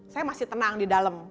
saya masih tenang di dalam